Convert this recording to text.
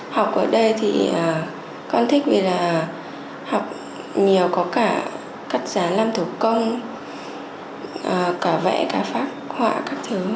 học ở đây thì con thích vì là học nhiều có cả cắt giá làm thủ công cả vẽ cả phát họa các thứ